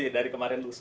dari kemarin lusa